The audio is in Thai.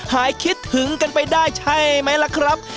หายคิดถึงกันไปได้ใช่ไหมล่ะครับ